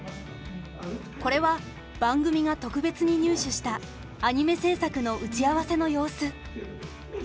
これは番組が特別に入手したアニメ制作の打ち合わせの様子。